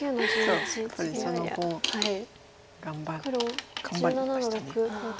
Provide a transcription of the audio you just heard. やっぱりそのコウ頑張りました。